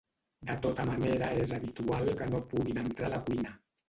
De tota manera és habitual que no puguin entrar a la cuina.